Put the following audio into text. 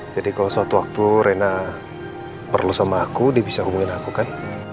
jadi kalau suatu waktu rena perlu sama aku dia bisa hubungin aku kan